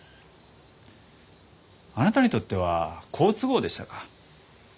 あなたにとっては好都合でしたか？